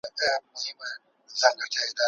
خبریال نوی رژیم پیل کړ.